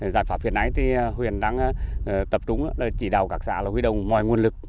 giải pháp hiện nay thì huyền đang tập trung chỉ đào các xã lộ huy đồng mọi nguồn lực